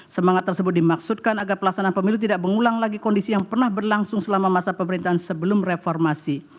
semangat tersebut dimaksudkan agar pelaksanaan pemilu tidak mengulang lagi kondisi yang pernah berlangsung selama masa pemerintahan sebelum reformasi